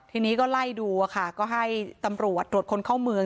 ทีนี้ก็ไล่ดูค่ะก็ให้ตำรวจตรวจคนเข้าเมือง